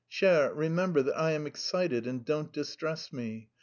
Cher, remember that I am excited, and don't distress me.